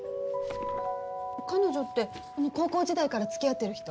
彼女ってあの高校時代からつきあってる人？